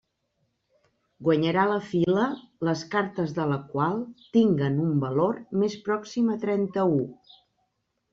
Guanyarà la fila les cartes de la qual tinguen un valor més pròxim a trenta-u.